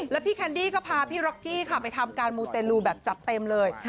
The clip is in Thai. แล้วพี่แคนดี้ก็พาพี่ร็อกกี้ค่ะไปทำการมูเตลูแบบจัดเต็มเลย